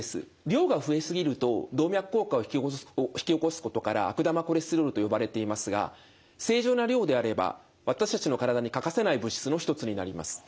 量が増え過ぎると動脈硬化を引き起こすことから悪玉コレステロールと呼ばれていますが正常な量であれば私たちの体に欠かせない物質の一つになります。